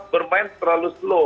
bermain terlalu slow